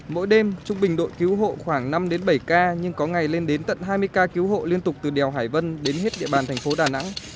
mỗi đêm trung bình đội cứu hộ khoảng năm đến bảy ca nhưng có ngày lên đến tận hai mươi ca cứu hộ liên tục từ đèo hải vân đến hết địa bàn thành phố đà nẵng